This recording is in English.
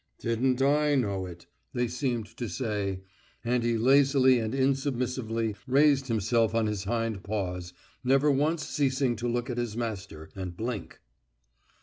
"Didn't I know it!" they seemed to say, and he lazily and insubmissively raised himself on his hind paws, never once ceasing to look at his master and blink.